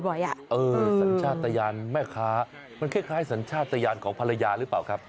สัญชาติตะยานแม่ค้ามันคล้ายสัญชาติยานของภรรยาหรือเปล่าครับ